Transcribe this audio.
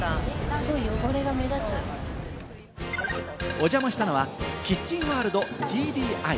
お邪魔したのは「キッチンワールドＴＤＩ」。